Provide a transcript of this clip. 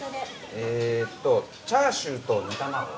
えっとチャーシューと煮卵を。